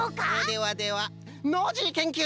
ではではノージーけんきゅういん！